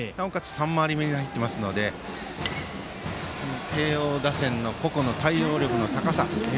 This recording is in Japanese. ３回り目に入っていますので慶応打線の個々の対応力の高さ。